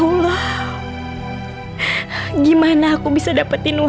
laras menagih biaya operasi kamu lima ratus juta